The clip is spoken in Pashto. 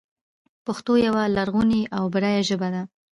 پښتو یوه لرغونې او بډایه ژبه ده.